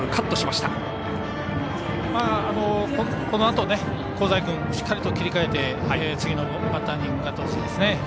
このあと香西君しっかりと切り替えて、次のバッターに向かってほしいです。